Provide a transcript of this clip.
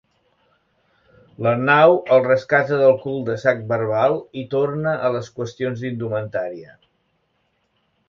L'Arnau el rescata del cul de sac verbal i torna a les qüestions d'indumentària.